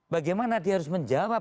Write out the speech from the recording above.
bagaimana dia harus menjawab